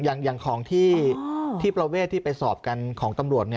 อย่างของที่ประเวทที่ไปสอบกันของตำรวจ